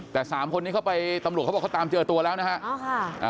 แต่สามคนนี้เข้าไปตำรวจเขาบอกเขาตามเจอตัวแล้วนะฮะ